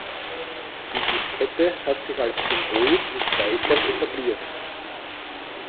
Die Diskette hat sich als Symbol zum Speichern etabliert.